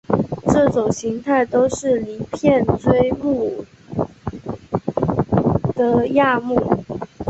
这种形态都是离片锥目的亚目。